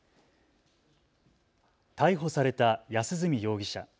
逮捕された安栖容疑者。